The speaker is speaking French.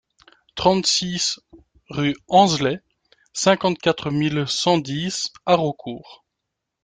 trente-six rue Hanzelet, cinquante-quatre mille cent dix Haraucourt